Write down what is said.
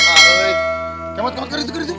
kamat kamat geris geris